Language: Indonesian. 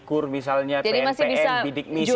kur misalnya pn pn bidik misi